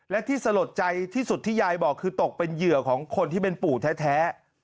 และที่สลดใจที่สุดที่ยายบอกคือตกเป็นเหยื่อของคนที่เป็นปู่แท้